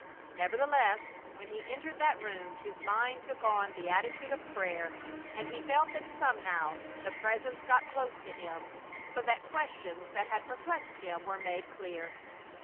Nevertheless, when he entered that room his mind took on the attitude of prayer and he felt that somehow the Presence got close to him, so that questions that had perplexed him were made clear.